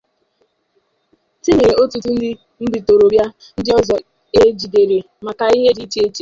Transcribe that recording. tinyere ọtụtụ ndị btorobịa ndị ọzọ e jidere maka ihe dị iche iche.